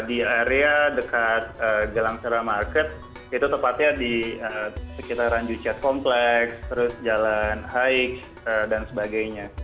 di area dekat gelang serai market itu tepatnya di sekitaran juchat kompleks terus jalan haik dan sebagainya